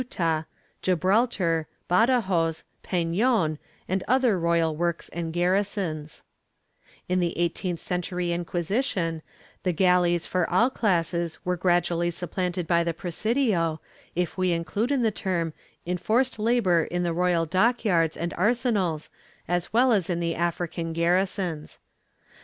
Ill] THE GALLEYS 145 Gibraltar, Badajoz, Peiion and other royal works and garrisons/ In the eighteenth century Inquisition, the galleys for all classes were gradually supplanted by the presidio, if we include in the term enforced labor in the royal dock yards and arsenals as well as in the African garrisons.